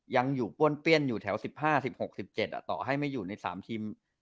ยังอยู่ป้วนเปี้ยนอยู่แถว๑๕๑๖๑๗ต่อให้ไม่อยู่ใน๓ทีม